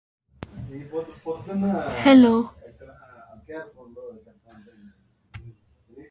The score for the film was composed and conducted by Bruce Broughton.